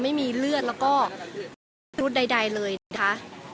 ไม่มีเลือดแล้วก็พิรุธใดเลยนะคะ